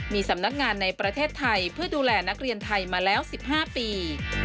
มีสำนักงานในประเทศไทยเพื่อดูแลนักเรียนไทยมาแล้ว๑๕ปี